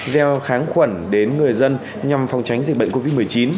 gieo kháng khuẩn đến người dân nhằm phòng tránh dịch bệnh covid một mươi chín